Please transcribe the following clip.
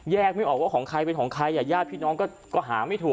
ไม่ออกว่าของใครเป็นของใครอ่ะญาติพี่น้องก็หาไม่ถูก